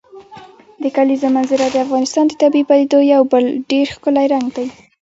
د کلیزو منظره د افغانستان د طبیعي پدیدو یو بل ډېر ښکلی رنګ دی.